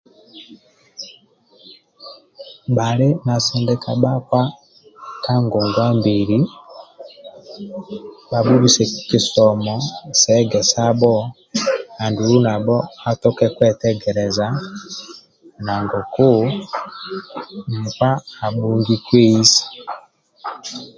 Bhali na sindika bhakpa ka ngonguwa mbili bhabhubisi kisomo sa egesabho andulu nabho bhatoke kwetegeleza nangoku nkpa abhongi kweisa.